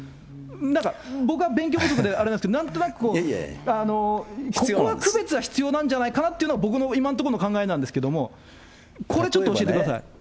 なんか、僕は勉強不足であれなんですけど、なんとなくここは区別が必要なんじゃないかなというのが、僕の今のところの考えなんですけども、これちょっと、教えてください。